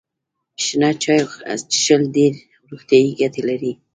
شنه چای څښل ډیرې روغتیايي ګټې لري.